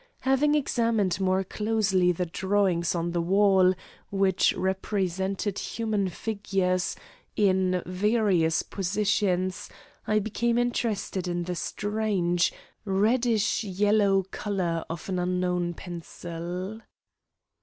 Having examined more closely the drawings on the wall, which represented human figures in various positions, I became interested in the strange reddish yellow colour of an unknown pencil.